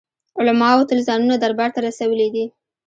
علماوو تل ځانونه دربار ته رسولي دي.